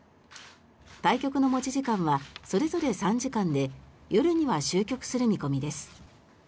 対局の持ち時間はそれぞれ３時間で夜には終局する見込みです。